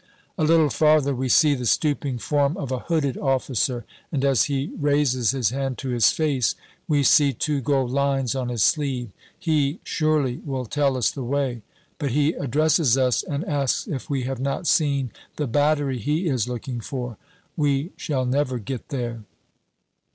A little farther we see the stooping form of a hooded officer, and as he raises his hand to his face we see two gold lines on his sleeve. He, surely, will tell us the way. But he addresses us, and asks if we have not seen the battery he is looking for. We shall never get there!